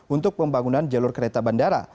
untuk pembangunan jalur kereta bandara